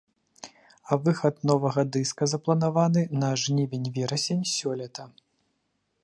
А выхад новага дыска запланаваны на жнівень-верасень сёлета.